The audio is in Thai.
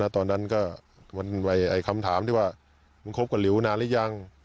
ตอนนั้นก็คำถามที่ว่ามึงคบกับหลิวนานหรือยัง